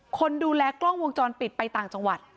คนดูแลกล้องวงจรปิดไปต่างจังหวัด